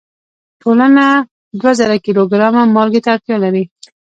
ټولنه دوه زره کیلو ګرامه مالګې ته اړتیا لري.